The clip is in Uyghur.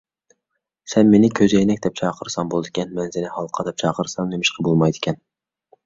سەن مېنى «كۆزەينەك» دەپ چاقىرساڭ بولىدىكەن، مەن سېنى «ھالقا» دەپ چاقىرسام نېمىشقا بولمايدىكەن؟